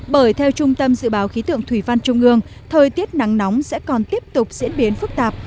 bởi theo trung tâm dự báo khí tượng thủy văn trung ương thời tiết nắng nóng sẽ còn tiếp tục diễn biến phức tạp